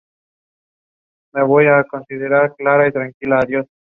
Las avenidas Dr.